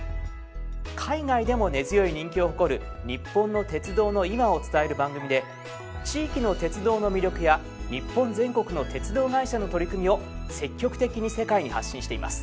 海外でも根強い人気を誇る日本の鉄道の今を伝える番組で地域の鉄道の魅力や日本全国の鉄道会社の取り組みを積極的に世界に発信しています。